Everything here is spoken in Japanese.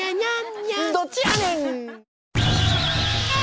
どっちやねん！